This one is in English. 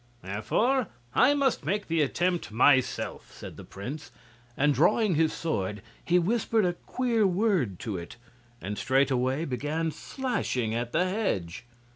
"Therefore I must make the attempt myself," said the prince, and drawing his sword he whispered a queer word to it, and straightway began slashing at the hedge.